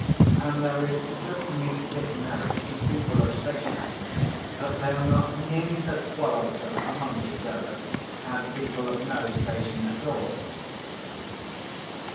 And there is certainly this merit in people of station, that they are not nearly so quarrelsome among each other as people of no station at all.